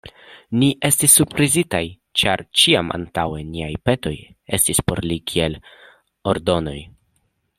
Ni estis surprizitaj, ĉar ĉiam antaŭe niaj petoj estis por li kiel ordonoj.